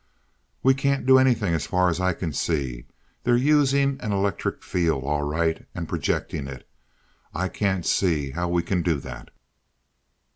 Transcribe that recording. "We can't do anything, as far as I can see. They're using an electric field all right, and projecting it. I can't see how we can do that."